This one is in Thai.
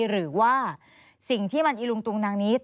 หรือว่าสิ่งที่มันอิลุงตุงนังนี้